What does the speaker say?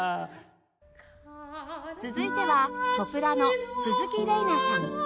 続いてはソプラノ鈴木玲奈さん